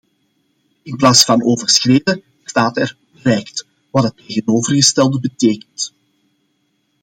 In plaats van overschreden staat er bereikt, wat het tegenovergestelde betekent.